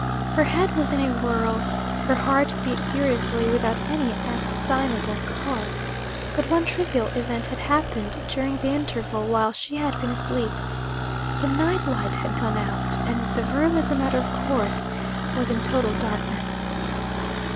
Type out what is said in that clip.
Her head was in a whirl; her heart beat furiously, without any assignable cause. But one trivial event had happened during the interval while she had been asleep. The night light had gone out; and the room, as a matter of course, was in total darkness.